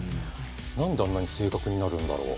何であんなに正確になるんだろう。